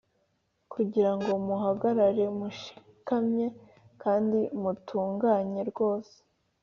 kugira ngo muhagarare mushikamye kandi mutunganye rwose